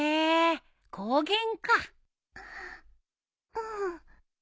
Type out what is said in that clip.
うん？